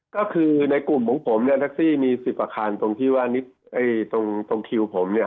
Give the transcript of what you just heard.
ก็คือในกลุ่มของผมเนี่ยแท็กซี่มี๑๐อาคารตรงที่ว่าตรงคิวผมเนี่ย